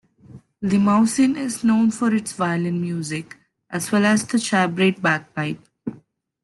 Limousin is known for its violin music, as well as the chabrette bagpipe.